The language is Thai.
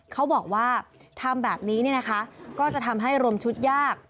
เขาบอกว่าทำแบบนี้เนี่ยนะคะก็จะทำให้รวมชุดยาก